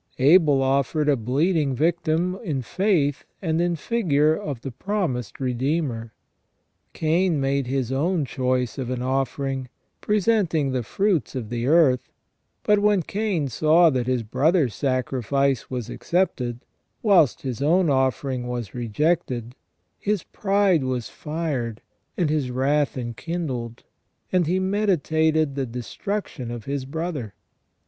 Abel offered a bleeding victim in faith and in figure of the promised Redeemer. Cain made his own choice of an offering, presenting the fruits of the earth ; but when Cain saw that his brother's sacrifice was accepted, whilst his own offering was rejected, his pride was fired, and his wrath enkindled, and he meditated the destruction of his brother.